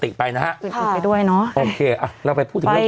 สิบเก้าชั่วโมงไปสิบเก้าชั่วโมงไปสิบเก้าชั่วโมงไป